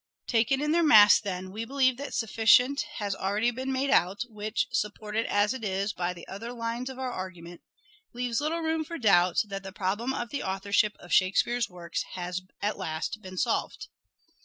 Taken in their mass then, we believe that sufficient has already been made out, which, supported as it is by the other lines of our argument, leaves little room for doubt that the problem of the authorship of Shakespeare's works has at last been solved.